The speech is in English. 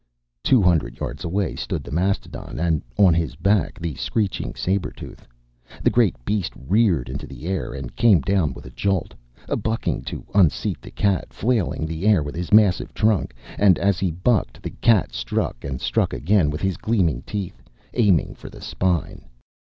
Two hundred yards away stood the mastodon and, on his back, the screeching saber tooth. The great beast reared into the air and came down with a jolt, bucking to unseat the cat, flailing the air with his massive trunk. And as he bucked, the cat struck and struck again with his gleaming teeth, aiming for the spine.